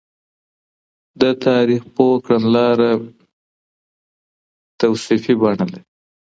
د تاريخ پوه کړنلاره توصيفي بڼه لري.